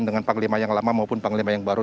dengan panglima yang lama maupun panglima yang baru